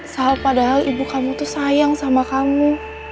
padahal ibu kamu tuh sayang sama kamu